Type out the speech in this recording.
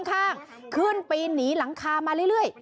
ข้างขึ้นปีนหนีหลังคามาเรื่อย